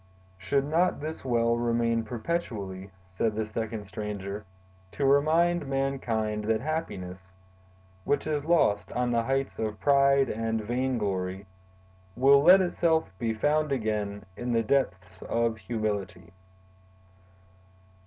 "Should not this well remain perpetually," said the second stranger, "to remind mankind that happiness, which is lost on the heights of pride and vainglory, will let itself be found again in the depths of humility?"